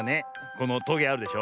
このトゲあるでしょ。